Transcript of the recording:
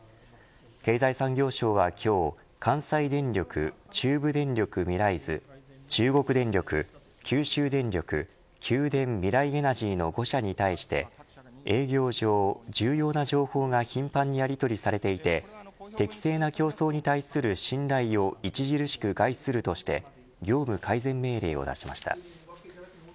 経済産業省は今日関西電力、中部電力ミライズ中国電力九州電力、九電みらいエナジーの５社に対して営業上、重要な情報が頻繁にやりとりされていて適正な競争に対する信頼を著しく害するとして業務改善命令を出しました。